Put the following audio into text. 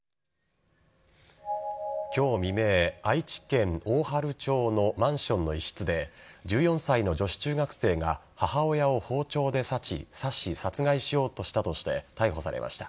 今日未明、愛知県大治町のマンションの一室で１４歳の女子中学生が母親を包丁で刺し殺害しようとしたとして逮捕されました。